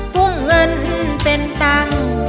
ทุ่มเงินเป็นตังค์